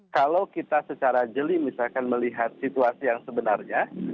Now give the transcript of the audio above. kalau kita secara jeli misalkan melihat situasi yang sebenarnya